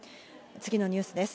次のニュースです。